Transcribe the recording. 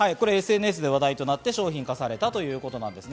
ＳＮＳで話題となって商品化されたということです。